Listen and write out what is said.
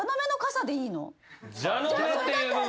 じゃあそれだったら。